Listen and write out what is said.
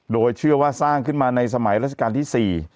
โดยเชื่อว่าสร้างขึ้นมาในสมัยราชการที่๔